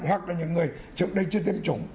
hoặc là những người trước đây chưa tiêm chủng